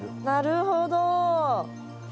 なるほど。